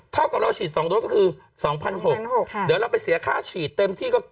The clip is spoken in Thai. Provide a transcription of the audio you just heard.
เท่ากับเราฉีด๒โดสก็คือ๒๖๐๐บาทเดี๋ยวเราไปเสียค่าฉีดเต็มที่ก็